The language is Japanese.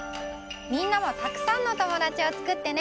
みんなもたくさんの友だちをつくってね！